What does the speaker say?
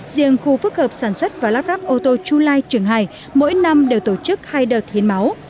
riêng khu phức hợp sản xuất và lắp ráp ô tô chu lai trường hải mỗi năm đều tổ chức hai đợt hiến máu